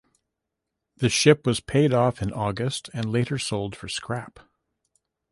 The ship was paid off in August and later sold for scrap.